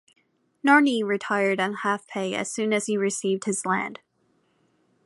Nairne retired on half-pay as soon as he received his land.